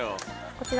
こちら